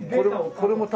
これも凧？